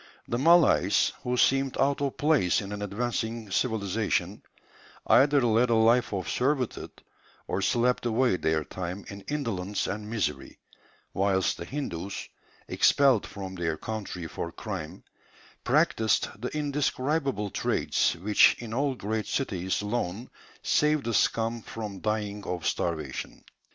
The Malays, who seemed out of place in an advancing civilization, either led a life of servitude, or slept away their time in indolence and misery whilst the Hindus, expelled from their country for crime, practised the indescribable trades which in all great cities alone save the scum from dying of starvation.